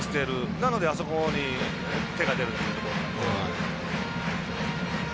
なので、あそこに手が出るという。